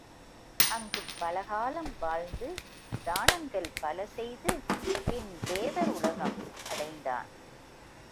அங்குப் பல காலம் வாழ்ந்து தானங்கள் பல செய்து பின் தேவர் உலகம் அடைந்தான்.